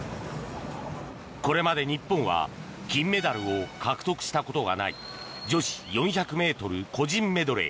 これまで日本は金メダルを獲得したことがない女子４００ｍ個人メドレー。